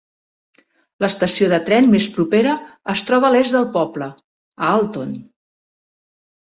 L'estació de tren més propera es troba a l'est del poble, a Alton.